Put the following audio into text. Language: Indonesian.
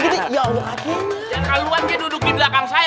yang kaluan dia duduk di belakang saya